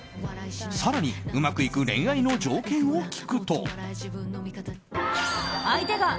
更に、うまくいく恋愛の条件を聞くと。